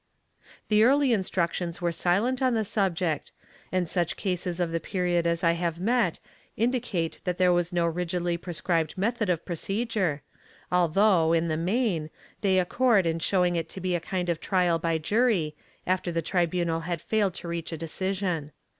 The early Instructions are silent on the subject, and such cases of the period as I have met indicate that there was no rigidly prescribed method of procedure, although, in the main, they accord in showing it to be a kind of trial by jury, after the tri bunal had failed to reach a decision.